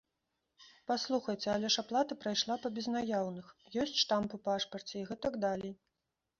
Паслухайце, але ж аплата прайшла па безнаяўных, ёсць штамп у пашпарце і гэтак далей.